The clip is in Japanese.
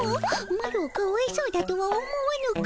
マロをかわいそうだとは思わぬか？